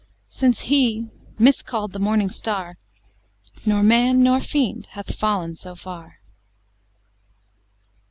Since he, miscall'd the Morning Star, Nor man nor fiend hath fallen so far.